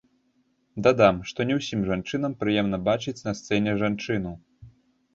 Дадам, што не ўсім жанчынам прыемна бачыць на сцэне жанчыну.